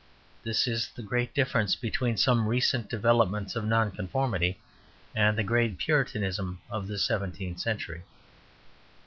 This is the great difference between some recent developments of Nonconformity and the great Puritanism of the seventeenth century.